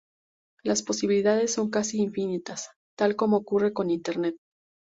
Las posibilidades son casi infinitas, tal como ocurre con internet.